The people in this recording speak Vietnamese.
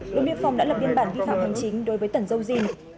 đồng biên phòng đã lập biên bản vi phạm hành chính đối với tẩn dâu dình